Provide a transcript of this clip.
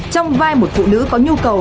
trong vai một phụ nữ có nhu cầu